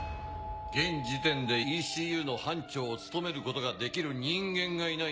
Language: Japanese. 現時点でＥＣＵの班長を務めることができる人間がいないんだ。